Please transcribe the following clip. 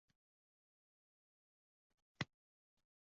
Roziman!